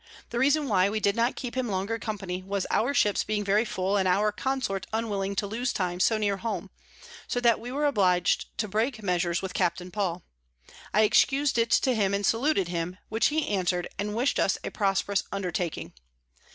The reason why we did not keep him longer Company, was our Ships being very full, and our Consort unwilling to lose time so near home; so that we were oblig'd to break Measures with Capt. Paul. I excus'd it to him, and saluted him, which he answer'd, and wish'd us a prosperous Undertaking.